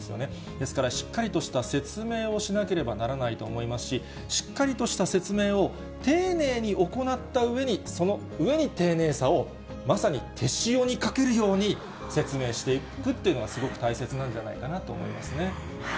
ですから、しっかりとした説明をしなければならないと思いますし、しっかりとした説明を丁寧に行ったうえに、その上に丁寧さを、まさに手塩にかけるように、説明していくというのがすごく大切なんじゃないかなと思いますね。